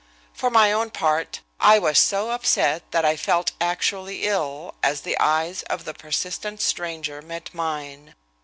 For my own part, I was so upset that I felt actually ill, as the eyes of the persistent stranger met mine.